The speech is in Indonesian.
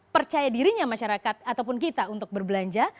percaya dirinya masyarakat ataupun kita untuk berbelanja